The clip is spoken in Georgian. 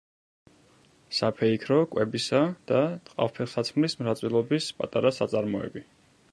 საფეიქრო, კვებისა და ტყავ-ფეხსაცმლის მრეწველობის პატარა საწარმოები.